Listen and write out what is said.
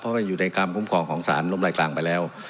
เพราะว่าอยู่ในกรรมคุ้มของของสารร่มไร่กลางไปแล้ว